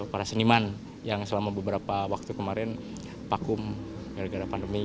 para seniman yang selama beberapa waktu kemarin pakum gara gara pandemi